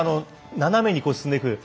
斜めに進んでいく。